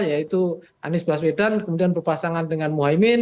yaitu anies baswedan kemudian berpasangan dengan mohaimin